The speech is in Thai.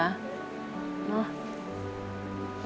เนอะ